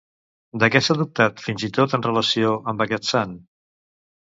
De què s'ha dubtat, fins i tot, en relació amb aquest sant?